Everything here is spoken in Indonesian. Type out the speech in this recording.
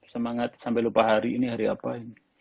semangat sampai lupa hari ini hari apa ini